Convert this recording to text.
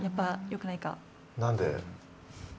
何で？